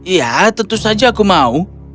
ya tentu saja aku mau